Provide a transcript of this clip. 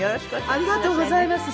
ありがとうございます。